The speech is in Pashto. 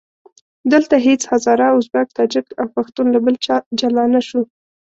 دلته هېڅ هزاره، ازبک، تاجک او پښتون له بل چا جلا نه شو.